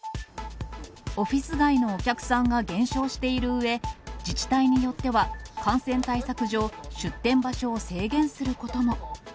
オフィス街のお客さんが減少しているうえ、自治体によっては、感染対策上、出店場所を制限することも。